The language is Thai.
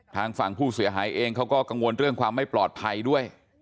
ทางฝั่งผู้เสียหายเองเขาก็กังวลเรื่องความไม่ปลอดภัยด้วย